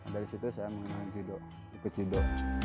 dari situ saya mengenalin judo ikut judo